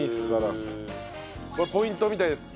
ポイントみたいです。